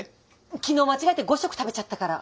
昨日間違って５食食べちゃったから。